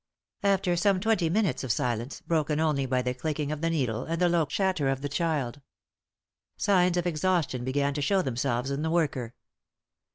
After some twenty minutes of silence, broken only by the clicking of the needle and the low chatter of the child, signs of exhaustion began to show themselves in the worker.